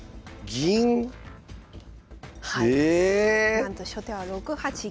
なんと初手は６八銀。